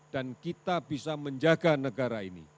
dan kita bisa menjaga negara ini